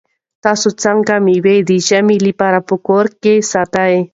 تاسو څنګه مېوې د ژمي لپاره په کور کې ساتئ؟